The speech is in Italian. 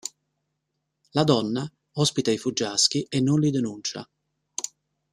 La donna ospita i fuggiaschi e non li denuncia.